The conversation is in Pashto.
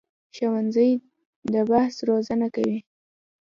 ښوونځی د بحث روزنه کوي